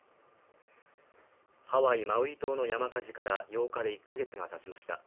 ハワイ・マウイ島の山火事から８日で１か月がたちました